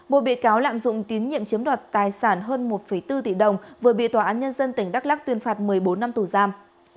một bị cáo lạm dụng tín nhiệm chiếm đoạt tài sản hơn một bốn tỷ đồng vừa bị tòa án nhân dân tỉnh đắk lắc tuyên phạt một mươi bốn năm tù giam